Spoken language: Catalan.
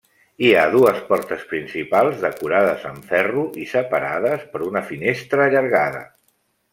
Hi ha dues portes principals decorades amb ferro i separades per una finestra allargada.